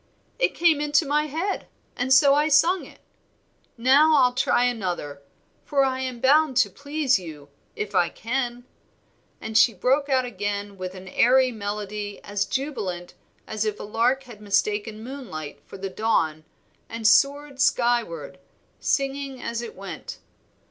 "It came into my head, and so I sung it. Now I'll try another, for I am bound to please you if I can." And she broke out again with an airy melody as jubilant as if a lark had mistaken moonlight for the dawn and soared skyward, singing as it went.